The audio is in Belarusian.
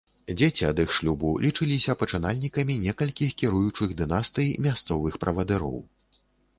Дзеці ад іх шлюбу лічыліся пачынальнікамі некалькіх кіруючых дынастый мясцовых правадыроў.